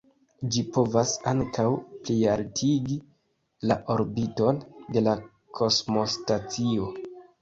Ĝi povas ankaŭ plialtigi la orbiton de la kosmostacio.